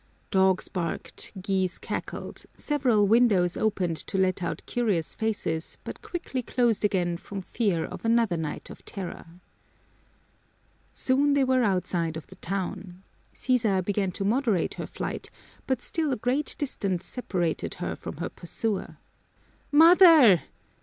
Dogs barked, geese cackled, several windows opened to let out curious faces but quickly closed again from fear of another night of terror. Soon they were outside of the town. Sisa began to moderate her flight, but still a great distance separated her from her pursuer. "Mother!"